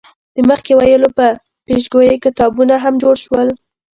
د مخکې ویلو یا پیشګویۍ کتابونه هم جوړ شول.